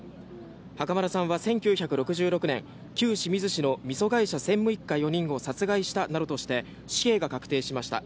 袴田さんは１９６６年旧清水市のみそ会社専務一家４人を殺害したなどとして死刑が確定しました。